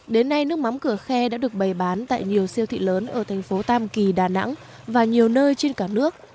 đến nay nước mắm cửa khe đã được bày bán tại nhiều siêu thị lớn ở thành phố tam kỳ đà nẵng và nhiều nơi trên cả nước